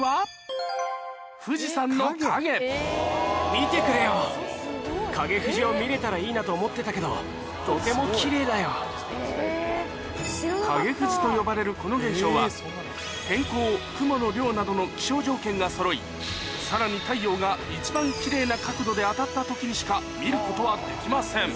見てくれよ！を見れたらいいなと思ってたけど。と呼ばれるこの現象は天候雲の量などの気象条件がそろいさらに太陽が一番奇麗な角度で当たった時にしか見ることはできません